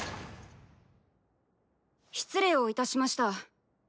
失礼をいたしました。